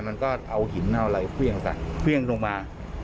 มันก็เอาหินเอาอะไรเพื่องลงมา